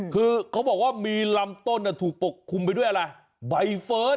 คือเขาบอกว่ามีลำต้นถูกปกคลุมไปด้วยอะไรใบเฟิร์น